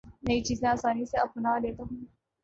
نئی چیزیں آسانی سے اپنا لیتا ہوں